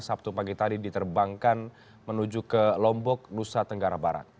sabtu pagi tadi diterbangkan menuju ke lombok nusa tenggara barat